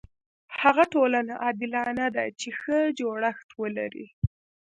هغه ټولنه عادلانه ده چې ښه جوړښت ولري.